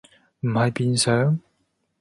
唔係變上？